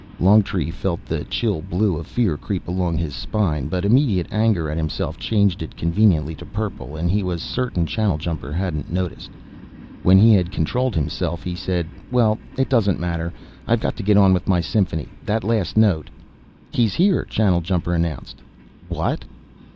Longtree felt the chill blue of fear creep along his spine, but immediate anger at himself changed it conveniently to purple, and he was certain Channeljumper hadn't noticed. When he had controlled himself, he said, "Well, it doesn't matter. I've got to get on with my symphony. That last note " "He's here," Channeljumper announced. "What?"